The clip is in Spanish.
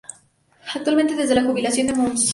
Actualmente desde la jubilación de Mons.